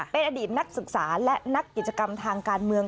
เป็นอดีตนักศึกษาและนักกิจกรรมทางการเมือง